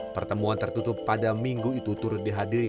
pertemuan tertutup pada minggu itu turut dihadiri